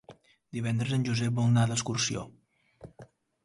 Divendres en Josep vol anar d'excursió.